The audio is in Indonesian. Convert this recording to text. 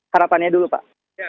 harapannya dulu pak